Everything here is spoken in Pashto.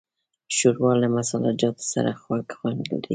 ښوروا له مسالهجاتو سره خوږ خوند اخلي.